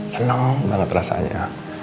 seneng banget rasanya